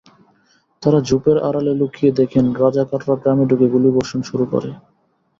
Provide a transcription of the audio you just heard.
তাঁরা ঝোপের আড়ালে লুকিয়ে দেখেন, রাজাকাররা গ্রামে ঢুকে গুলিবর্ষণ শুরু করে।